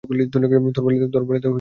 তোর বেলাতেও একই নিয়ম।